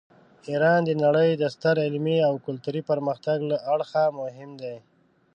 ایران د نړۍ د ستر علمي او کلتوري پرمختګ له اړخه مهم دی.